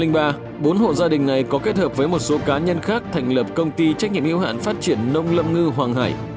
năm hai nghìn ba bốn hộ gia đình này có kết hợp với một số cá nhân khác thành lập công ty trách nhiệm yêu hạn phát triển nông lâm ngư hoàng hải